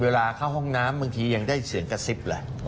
เวลาเข้าห้องน้ำบางทียังได้เสียงกระซิบแหละ